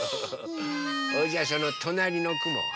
それじゃあそのとなりのくもは？